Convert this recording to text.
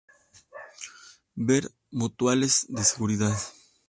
Ver Mutuales de seguridad.